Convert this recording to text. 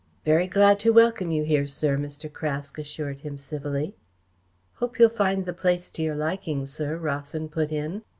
"Very glad to welcome you here, sir," Mr. Craske assured him civilly. "Hope you'll find the place to your liking, sir," Rawson put in.